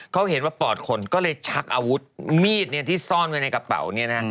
เขาเห็นว่าปอดคนก็เลยชักอาวุธมีดที่ซ่อนไว้ในกระเป๋าเนี่ยนะ